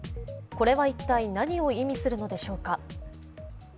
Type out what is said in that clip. これは一体何を意味するのでしょうか。